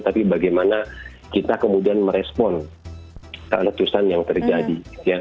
tapi bagaimana kita kemudian merespon karena retusan yang terjadi